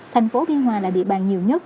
thành phố biên hòa là địa bàn nhiều nhất